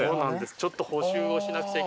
ちょっと補修をしなくちゃいけない。